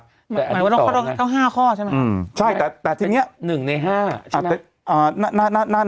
หมายว่าต้องเข้า๕ข้อใช่ไหมเป็น๑ใน๕ใช่ไหม